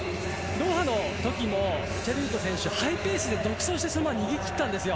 ドーハの時もチェルイヨト選手ハイペースで独走して逃げ切ったんですよ。